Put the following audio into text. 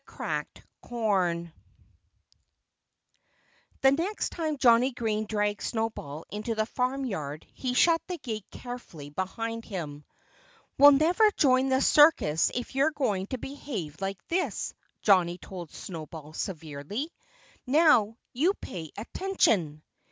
XI CRACKED CORN The next time Johnnie Green dragged Snowball into the farmyard he shut the gate carefully behind him. "We'll never join the circus if you're going to behave like this," Johnnie told Snowball severely. "Now, you pay attention!"